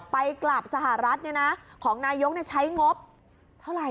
ไปกลับสหรัฐของนายกใช้งบเท่าไหร่